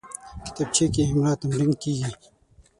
کتابچه کې املا تمرین کېږي